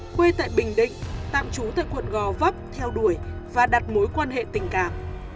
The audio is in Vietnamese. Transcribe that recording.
quê tại bình định tạm trú tại quận gò vấp theo đuổi và đặt mối quan hệ tình cảm